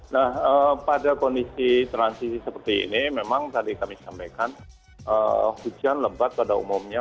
nah pada kondisi transisi seperti ini memang tadi kami sampaikan hujan lebat pada umumnya